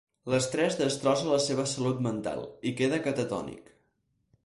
L'estrès destrossa la seva salut mental, i queda catatònic.